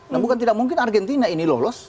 nah bukan tidak mungkin argentina ini lolos